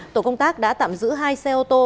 tổ công tác đã tạm giữ hai xe ô tô